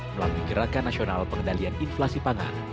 melalui gerakan nasional pengendalian inflasi pangan